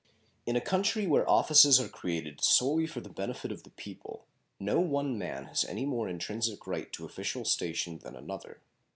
In a country where offices are created solely for the benefit of the people no one man has any more intrinsic right to official station than another.